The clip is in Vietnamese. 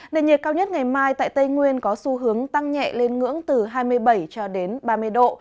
nền nhiệt cao nhất ngày mai tại tây nguyên có xu hướng tăng nhẹ lên ngưỡng từ hai mươi bảy cho đến ba mươi độ